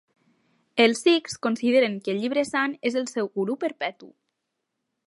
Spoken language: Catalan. Els sikhs consideren que el llibre sant és el seu guru perpetu.